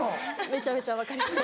めちゃめちゃ分かります。